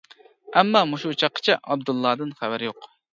ئەمما مۇشۇ چاغقىچە ئابدۇللادىن خەۋەر يوق.